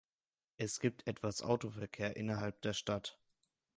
Es gibt etwas Autoverkehr innerhalb der Stadt.